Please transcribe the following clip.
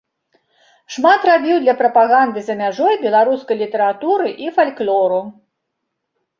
Шмат зрабіў для прапаганды за мяжой беларускай літаратуры і фальклору.